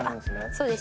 そうです